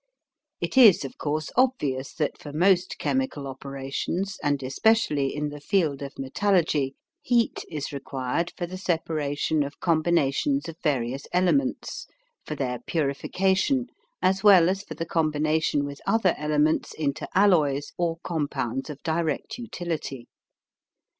It is of course obvious that for most chemical operations, and especially in the field of metallurgy, heat is required for the separation of combinations of various elements, for their purification, as well as for the combination with other elements into alloys or compounds of direct utility.